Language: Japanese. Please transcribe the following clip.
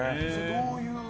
どういう？